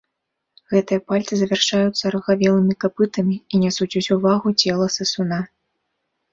Гэтыя пальцы завяршаюцца арагавелымі капытамі і нясуць усю вагу цела сысуна.